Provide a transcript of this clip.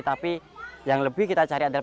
tapi yang lebih kita cari adalah